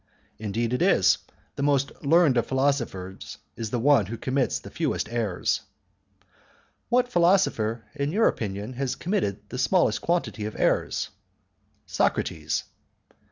"Indeed it is; the most learned of philosophers is the one who commits the fewest errors." "What philosopher, in your opinion, has committed the smallest quantity of errors?" "Socrates."